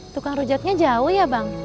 tukang rujaknya jauh ya bang